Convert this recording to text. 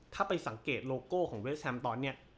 ถ้าไปสังเกตโลโก้ของเวสแฮมตอนนี้